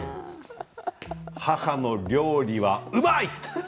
母の料理はうまい！